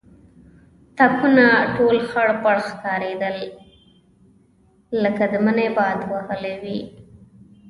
تاکونه ټول خړپړ ښکارېدل لکه د مني باد وهلي وي.